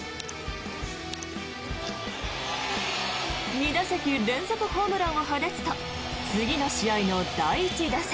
２打席連続ホームランを放つと次の試合の第１打席。